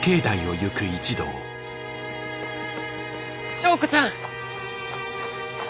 昭子ちゃん。